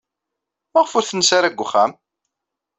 Maɣef ur tensi ara deg uxxam?